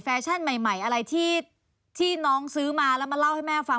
ชั่นใหม่อะไรที่น้องซื้อมาแล้วมาเล่าให้แม่ฟัง